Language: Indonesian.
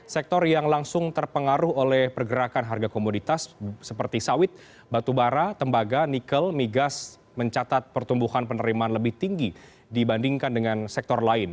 sektor yang langsung terpengaruh oleh pergerakan harga komoditas seperti sawit batubara tembaga nikel migas mencatat pertumbuhan penerimaan lebih tinggi dibandingkan dengan sektor lain